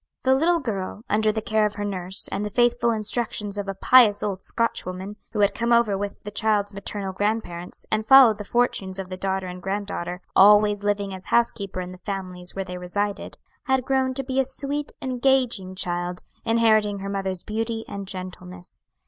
"The little girl, under the care of her nurse and the faithful instructions of a pious old Scotchwoman who had come over with the child's maternal grandparents, and followed the fortunes of the daughter and granddaughter, always living as housekeeper in the families where they resided had grown to be a sweet, engaging child, inheriting her mother's beauty and gentleness.